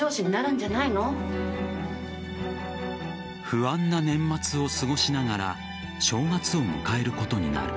不安な年末を過ごしながら正月を迎えることになる。